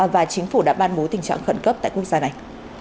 và chính phủ đã ban bố tình trạng khẩn cấp tại quốc gia này